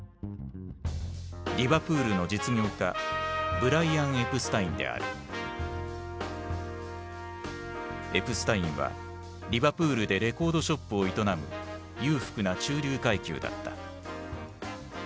リバプールの実業家エプスタインはリバプールでレコードショップを営む裕福な中流階級だった。